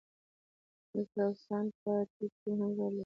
الټراساونډ په طب کی مهم رول لوبوي